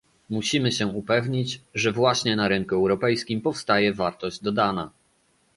Musimy się upewnić, że właśnie na rynku europejskim powstaje wartość dodana